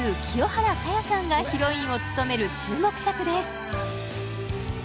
清原果耶さんがヒロインを務める注目作です